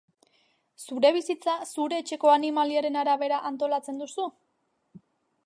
Zure bizitza zure etxeko animaliaren arabera antolatzen duzu?